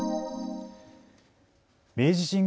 明治神宮